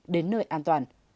đến nơi an toàn